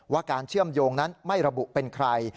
การเชื่อมโยงนั้นไม่ระบุเป็นใคร